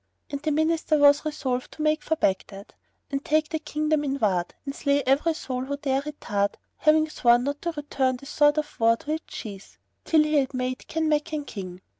And the Minister was resolved to make for Baghdad and take the kingdom in ward and slay every soul who dare retard, having sworn not to return the sword of war to its sheath, till he had made Kanmakan King.